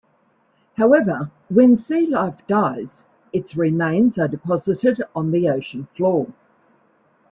However, when sea life dies, its remains are deposited on the ocean floor.